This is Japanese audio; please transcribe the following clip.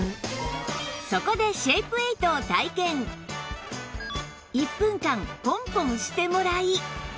そこで１分間ポンポンしてもらい